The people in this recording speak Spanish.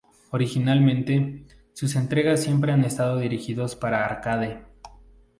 Originalmente, sus entregas siempre han estado dirigidos para arcade.